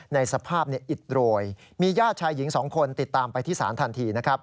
ในสภาพอิดโรยมีญาติชายหญิง๒คนติดตามไปที่ศาลทันทีนะครับ